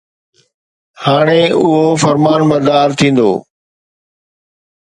هاڻي اهو فرمانبردار ٿيندو.